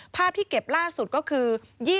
ภาพที่เก็บล่าสุดก็คือ